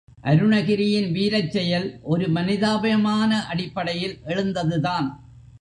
அருணகிரியின் வீரச்செயல் ஒரு மனிதாபிமான அடிப்படையில் எழுந்ததுதான்.